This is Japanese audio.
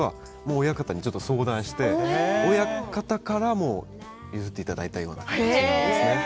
親方に相談して親方から譲っていただいたような名前ですね。